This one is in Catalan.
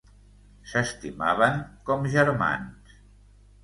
S'estimaven com germans.